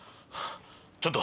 ちょっと！